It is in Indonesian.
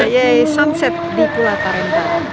yay sunset di pulau tarim